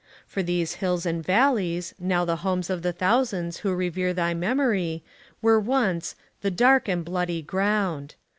For these hills and valleys, now the homes of the thousands who revere thy memory, were once " the dark and bloody ground."